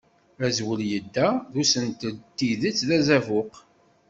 Azwel yedda d usentel d tidet d azabuq.